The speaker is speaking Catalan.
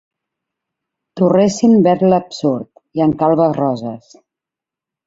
Torressin verd l'Absurd, i en calbes roses.